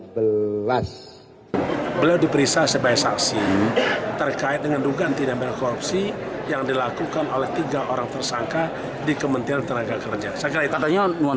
beliau diperiksa sebagai saksi terkait dengan dugaan tindak korupsi yang dilakukan oleh tiga orang tersangka di kementerian tenaga kerja